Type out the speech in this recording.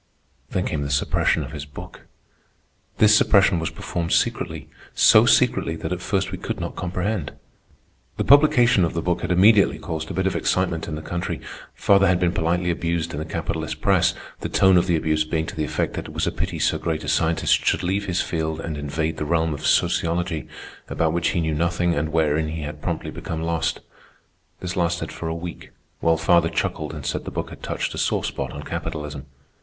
Then came the suppression of his book. This suppression was performed secretly, so secretly that at first we could not comprehend. The publication of the book had immediately caused a bit of excitement in the country. Father had been politely abused in the capitalist press, the tone of the abuse being to the effect that it was a pity so great a scientist should leave his field and invade the realm of sociology, about which he knew nothing and wherein he had promptly become lost. This lasted for a week, while father chuckled and said the book had touched a sore spot on capitalism.